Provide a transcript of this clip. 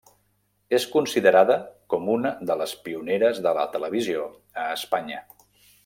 És considerada com una de les pioneres de la televisió a Espanya.